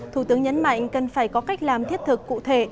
thủ tướng nhấn mạnh cần phải có cách làm thiết thực cụ thể